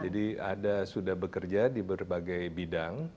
jadi ada sudah bekerja di berbagai bidang